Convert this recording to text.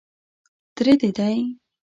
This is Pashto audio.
_تره دې دی.